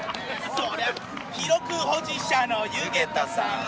そりゃ、記録保持者の弓削田さん